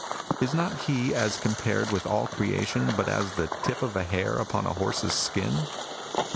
Is not he, as com pared with all creation, but as the tip of a hair upon a horse's skin